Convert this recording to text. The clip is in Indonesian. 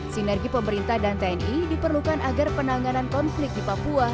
sinergi pemerintah dan tni diperlukan agar penanganan konflik di papua